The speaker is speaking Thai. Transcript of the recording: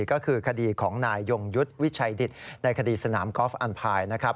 ก็คือคดีของนายยงยุทธ์วิชัยดิตในคดีสนามกอล์ฟอันพายนะครับ